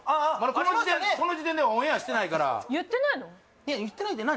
この時点ではオンエアしてないから言ってないって何？